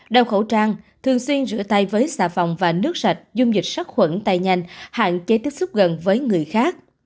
đeo khẩu trang thường xuyên rửa tay với xà phòng và nước sạch dùng dịch sát khuẩn tay nhanh hạn chế tiếp xúc gần với người khác